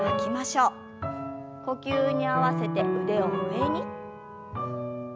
呼吸に合わせて腕を上に。